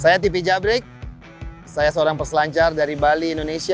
saya tv jabrik saya seorang peselancar dari bali indonesia